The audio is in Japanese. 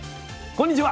こんにちは。